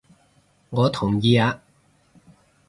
我同意啊！